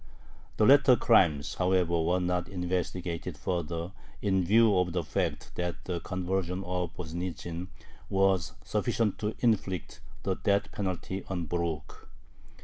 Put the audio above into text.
The latter crimes, however, were not investigated further in view of the fact that the conversion of Voznitzin was sufficient to inflict the death penalty on Borukh.